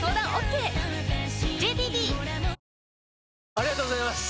ありがとうございます！